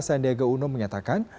sandiaga uno menyatakan